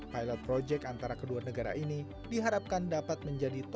pilot project antara kedua negara ini diharapkan dapat menjadi target